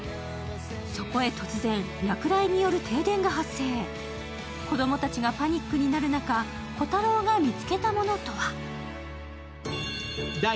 そこへ突然、落雷による停電が発生子供たちがパニックになる中、虎太郎が見つけたものとは。